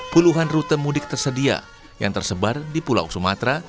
puluhan rute mudik tersedia yang tersebar di pulau sumatera